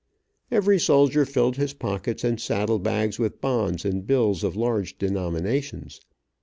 Every soldier filled his pockets and saddle bags with bonds and bills of large denominations.